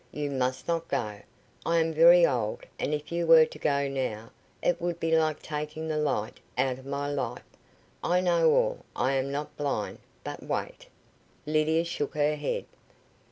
You must not go. I am very old, and if you were to go now, it would be like taking the light out of my life. I know all; I am not blind. But wait." Lydia shook her head.